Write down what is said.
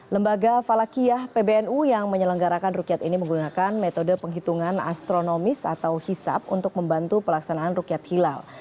lembaga falakiyah pbnu yang menyelenggarakan rukyat ini menggunakan metode penghitungan astronomis atau hisap untuk membantu pelaksanaan rukyat hilal